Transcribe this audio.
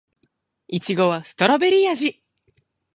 いちごはストベリー味